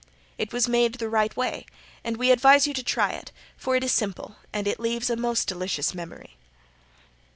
It was made the right way and we advise you to try it, for it is simple and leaves a most delicious memory.